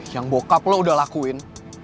yang bokap lo udah lakuin